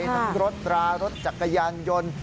ทั้งรถรารถจักรยานยนต์